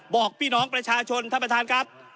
บอกพี่น้องประชาชนท่านประธานครับ